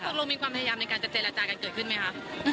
ตกลงมีความพยายามในการจะเจรจากันเกิดขึ้นไหมคะ